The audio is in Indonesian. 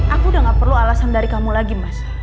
aku udah gak perlu alasan dari kamu lagi mas